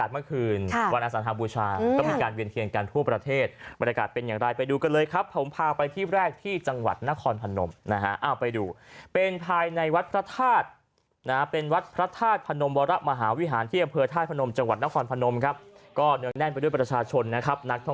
มาพาย้อนกลับไปดูบรรยากาศเมื่อคืน